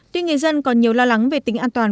tuy người dân còn nhiều lo lắng về tính an toàn